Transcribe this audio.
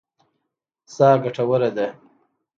سا ګټوره ده.